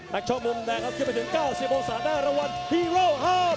แม็กซ์ชอบมุมแดงครับคิดไปถึง๙๐โปรสาทได้ระวัลฮีโร่๕๐๐๐บาท